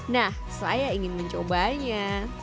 nah saya ingin mencobanya